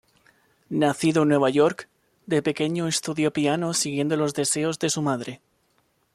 Nacido en Nueva York, de pequeño estudió piano siguiendo los deseos de su madre.